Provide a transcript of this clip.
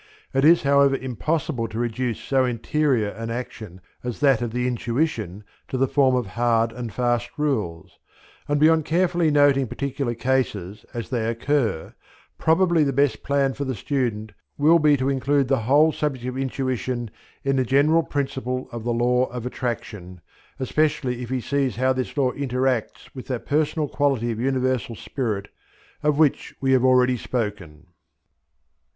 It is however impossible to reduce so interior an action as that of the intuition to the form of hard and fast rules, and beyond carefully noting particular cases as they occur, probably the best plan for the student will be to include the whole subject of intuition in the general principle of the Law of Attraction, especially if he sees how this law interacts with that personal quality of universal spirit of which we have already spoken.